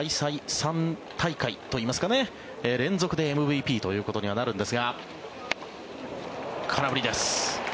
３大会といいますか連続でＭＶＰということにはなるんですが空振りです。